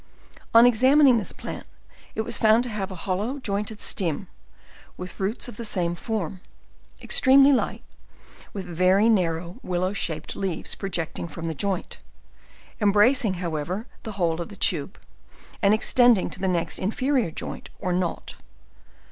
On examining this plant, it was found to have a hollow jointed stem, with roots of the same form, extremely light, with very narrow willow shap ed leaves projecting from the joint, embracing however, the whole of the tube, and extending to the next inferior joint or knot.